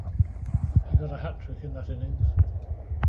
He got a hatrick in that innings.